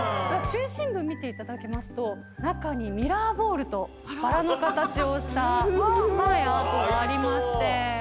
中心部見ていただきますと中にミラーボールとバラの形をしたアートがありまして中で写真を。